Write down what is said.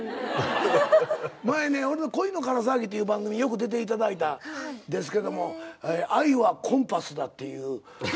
前ね『恋のから騒ぎ』っていう番組よく出ていただいたんですけど「愛はコンパスだ」っていう。